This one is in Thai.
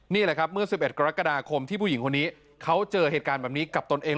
นี่แหละครับเมื่อ๑๑กรกฎาคมที่ผู้หญิงคนนี้เขาเจอเหตุการณ์แบบนี้กับตนเอง